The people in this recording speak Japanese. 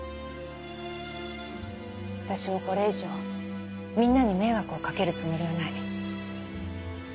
私もこれ以上みんなに迷惑をかけるつもりはない。